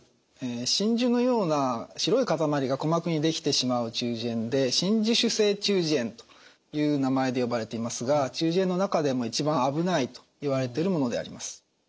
真珠のような白い塊が鼓膜に出来てしまう中耳炎で真珠腫性中耳炎という名前で呼ばれていますが中耳炎の中でも一番危ないといわれてるものであります。